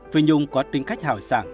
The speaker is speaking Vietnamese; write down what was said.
phi nhung có tính cách hào sản